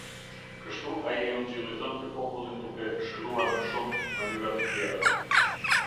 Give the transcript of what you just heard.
Kështu ai e ungjillizonte popullin duke e këshilluar me shumë mënyra të tjera.